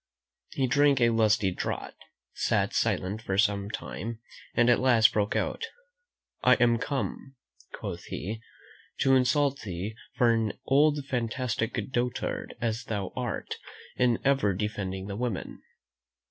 He drank a lusty draught, sat silent for some time, and at last broke out: "I am come," quoth he, "to insult thee for an old fantastic dotard, as thou art, in ever defending the women.